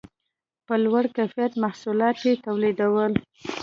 په لوړ کیفیت محصولات یې تولیدول